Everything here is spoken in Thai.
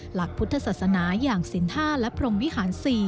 หลักพุทธศาสนาอย่างสิน๕และพรมวิหาร๔